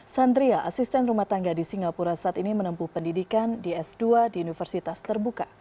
sandria asisten rumah tangga di singapura saat ini menempuh pendidikan di s dua di universitas terbuka